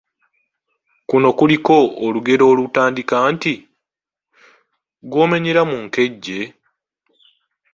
Kuno kuliko olugero olutandika nti : Gw'omenyera mu nkejje,………